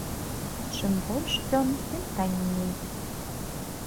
Чым больш дзён, тым танней.